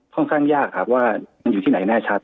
ค่อนข้างยากครับว่ามันอยู่ที่ไหนแน่ชัด